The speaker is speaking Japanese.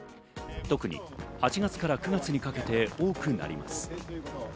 特に８月から９月にかけて多く見られます。